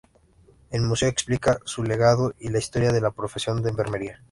El museo explica su legado y la historia de la profesión de enfermería.